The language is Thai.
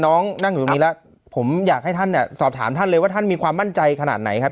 นั่งอยู่ตรงนี้แล้วผมอยากให้ท่านเนี่ยสอบถามท่านเลยว่าท่านมีความมั่นใจขนาดไหนครับ